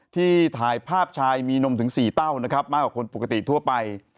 ที่ถ่ายภาพชายมีนมถึง๔เต้านะครับมากกว่าคนปกติทั่วไป